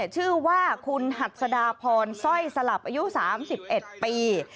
ชื่อว่าคุณหัดสดาพรสร้อยสลับอายุ๓๑ปี